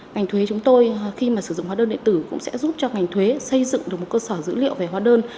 ngành thuế chúng tôi khi mà sử dụng hóa đơn điện tử cũng sẽ giúp cho ngành thuế xây dựng được một cơ sở dữ liệu về hóa đơn